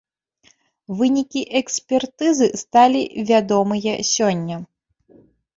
Вынікі экспертызы сталі вядомыя сёння.